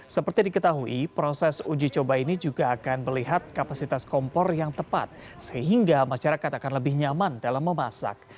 seperti diketahui proses uji coba ini juga akan melihat kapasitas kompor yang tepat sehingga masyarakat akan lebih nyaman dalam memasak